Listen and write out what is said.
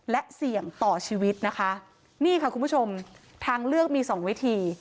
และเสี่ยงต่อชีวิตนะคะนี่ค่ะคุณผู้ชมทางเลือกมีสองวิธี